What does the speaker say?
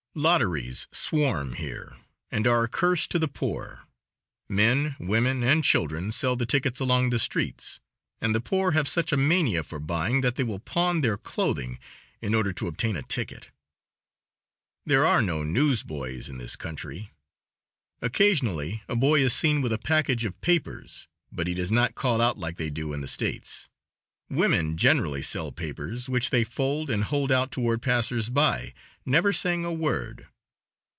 Lotteries swarm here, and are a curse to the poor. Men, women, and children sell the tickets along the streets, and the poor have such a mania for buying that they will pawn their clothing in order to obtain a ticket. There are no newsboys in this country. Occasionally a boy is seen with a package of papers, but he does not call out like they do in the States. Women generally sell papers, which they fold and hold out toward passers by, never saying a word.